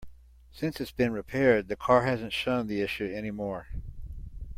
Since it's been repaired, the car hasn't shown the issue any more.